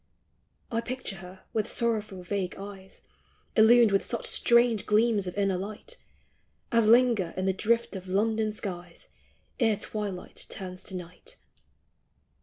I picture her with sorrowful vague eyes Illumed with such strange gleams of inner light As linger in the drift of London skies Ere twilight turns to night.